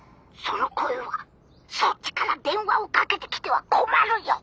そっちから電話をかけてきては困るよ！